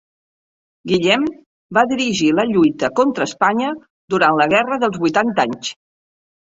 Guillem va dirigir la lluita contra Espanya durant la Guerra dels Vuitanta Anys.